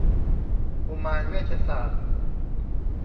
กุมารเวชศาสตร์